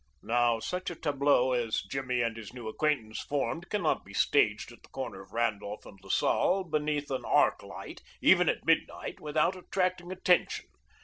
Now, such a tableau as Jimmy and his new acquaintance formed cannot be staged at the corner of Randolph and La Salle beneath an arc light, even at midnight, without attracting attention.